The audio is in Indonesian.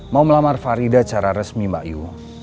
mau melamar farida secara resmi mbak yu